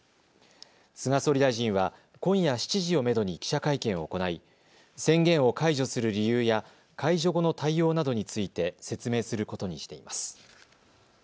菅総理大臣は今夜７時をめどに記者会見を行い宣言を解除する理由や解除後の対応などについて説明することにしています。